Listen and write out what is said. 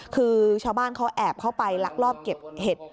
คือชาวบ้านเขาแอบเข้าไปลักลอบเก็บเห็ด